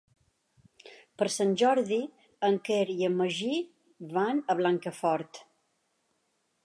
Per Sant Jordi en Quer i en Magí van a Blancafort.